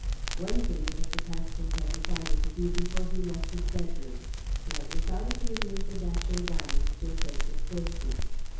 One thing Mr. Paxton had decided to do before he left his bedroom. He had decided to remove the Datchet diamonds to a place of safety.